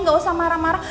gak usah marah marah